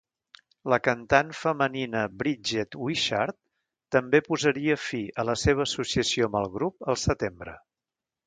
La cantant femenina Bridget Wishart també posaria fi a la seva associació amb el grup al setembre.